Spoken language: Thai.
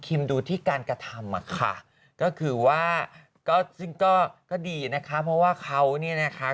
ดูที่การกระทำอะค่ะก็คือว่าก็ซึ่งก็ดีนะคะเพราะว่าเขาเนี่ยนะคะ